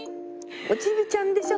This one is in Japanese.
おチビちゃんでしょ。